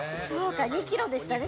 ２ｋｇでしたね。